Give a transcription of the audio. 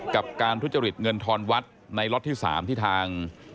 กับการทุจริตเงินทอนวัดในล็อตที่๓ที่ทาง